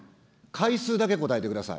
回数だけ答えてください。